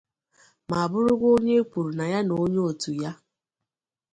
ma bụrụkwa onye e kwuru na ya na onye òtù ya